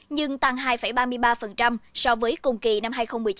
nhưng tăng hai ba mươi ba so với cùng kỳ năm hai nghìn một mươi chín